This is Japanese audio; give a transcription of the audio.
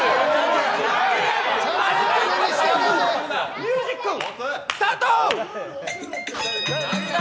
ミュージック、スタート！